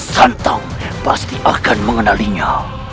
ketika aku datang pasti akan mengenalinya